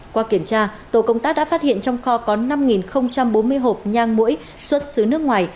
qua kiểm tra tổ công tác đã phát hiện trong kho có năm bốn mươi hộp nhang mũi xuất xứ nước ngoài